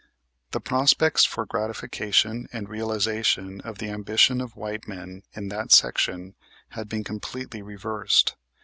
The prospects for the gratification and realization of the ambition of white men in that section had been completely reversed.